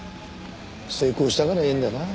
成功したから言えるんだよな。